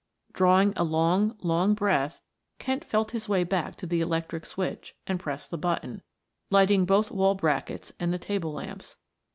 Drawing a long, long breath Kent felt his way back to the electric switch and pressed the button, lighting both the wall brackets and the table lamps.